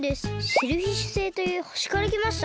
シェルフィッシュ星というほしからきました。